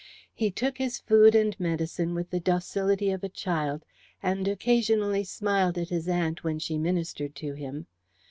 He took his food and medicine with the docility of a child, and occasionally smiled at his aunt when she ministered to him.